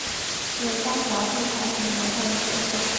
也有当杂志发型模特儿的经验。